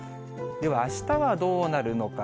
では、あしたはどうなるのか。